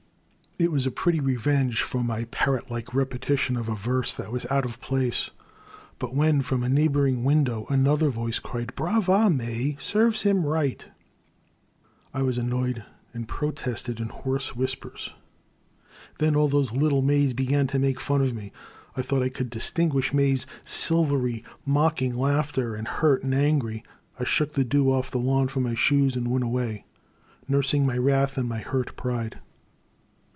It was a pretty revenge for my parrot like repe tition of a verse that was out of place, but when, from a neighbouring window, another voice cried Brava May ! serves him right !*' I was annoyed and protested in hoarse whispers. Then all those little maids began to make fun of me. I thought I could distinguish May's sil very mocking laughter, and, hurt and angry, I shook the dew of the lawn from my shoes, and went away, nursing my wrath and my hurt pride.